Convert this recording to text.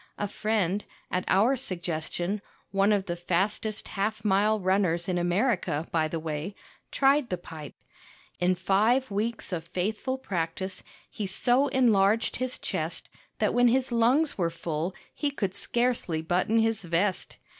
A friend, at our suggestion one of the fastest half mile runners in America, by the way tried the pipe. In five weeks of faithful practice he so enlarged his chest that when his lungs were full he could scarcely button his vest.